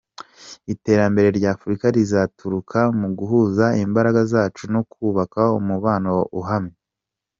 Iterambere ry’Afurika rizaturuka mu guhuza imbaraga zacu, no kubaka umubano uhamye.